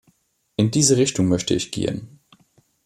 In diese Richtung möchte ich gehen.